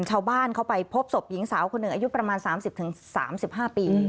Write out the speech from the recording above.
ชาวบ้านเขาไปพบศพหญิงสาวคนหนึ่งอายุประมาณ๓๐๓๕ปี